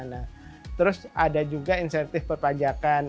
nah terus ada juga insentif perpajakan